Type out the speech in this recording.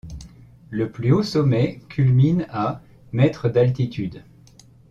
Le plus haut sommet culmine à mètres d'altitude.